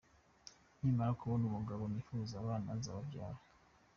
Nimara kubona umugabo nifuza abana nzababyara.